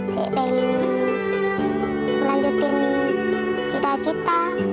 saya pengen melanjutkan cita cita